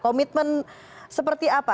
komitmen seperti apa